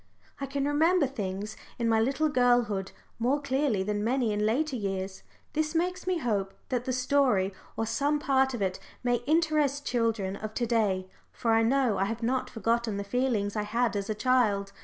I can remember things in my little girlhood more clearly than many in later years. This makes me hope that the story of some part of it may interest children of to day, for I know I have not forgotten the feelings I had as a child.